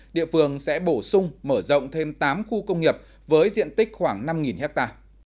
địa phương sẽ bổ sung mở rộng thêm tám khu công nghiệp với diện tích khoảng năm ha